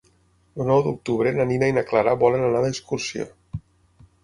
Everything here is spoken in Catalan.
El nou d'octubre na Nina i na Clara volen anar d'excursió.